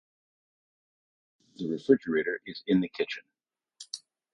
The refrigerator is in the kitchen.